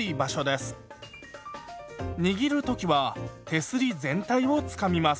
握る時は手すり全体をつかみます。